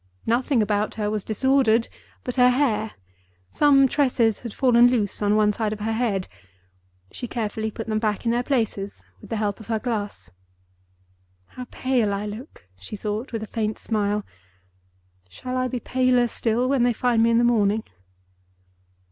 Nothing about her was disordered but her hair. Some tresses had fallen loose on one side of her head; she carefully put them back in their places with the help of her glass. "How pale I look!" she thought, with a faint smile. "Shall I be paler still when they find me in the morning?"